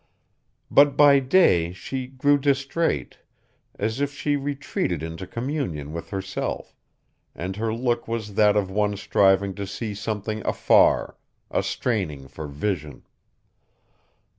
But by day she grew distrait, as if she retreated into communion with herself, and her look was that of one striving to see something afar, a straining for vision.